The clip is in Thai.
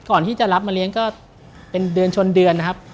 ก่อนที่จะรับมาเลี้ยงก็เป็นเดือนชนเดือนนะครับ